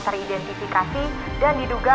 teridentifikasi dan diduga